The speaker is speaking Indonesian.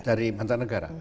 iya dari mancanegara